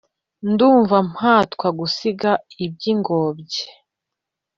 Ndumva mpatwa gusiga iby’ingombye